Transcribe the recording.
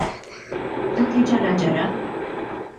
Dak li ġara, ġara.